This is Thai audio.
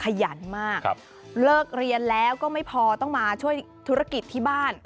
หรือว่าเริ่มต้นบ่นได้ครับเลิกเรียนแล้วก็ไม่พอต้องมาช่วยธุรกิจที่บ้าน